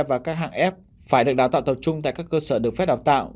và các hạng f phải được đào tạo tập trung tại các cơ sở được phép đào tạo